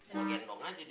mau gendong aja deh